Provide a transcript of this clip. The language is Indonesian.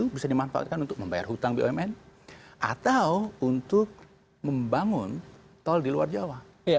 bisa dimanfaatkan untuk membayar hutang bumn atau untuk membangun tol di luar jawa